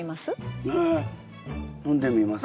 え飲んでみます。